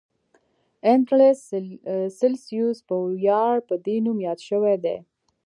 اندرلس سلسیوس په ویاړ په دې نوم یاد شوی دی.